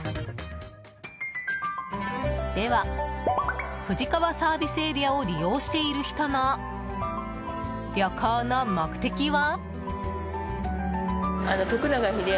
では、富士川ＳＡを利用している人の旅行の目的は？